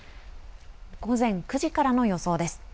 午前９時からの予想です。